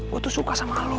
gue tuh suka sama alo